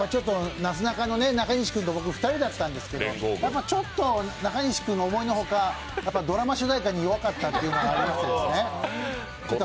なすなかの中西君と僕、２人だったんだけどちょっと中西君が思いのほか、ドラマ主題歌に弱かったというのがあったんですね。